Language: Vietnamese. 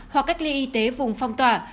hoặc cách ly y tế vùng phong tỏa